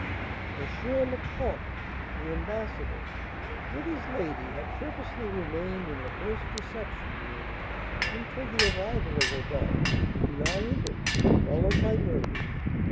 M. le Comte , the ambassador, with his lady, had purposely remained in the first reception room until the arrival of Rodolph, who now entered, followed by Murphy and M.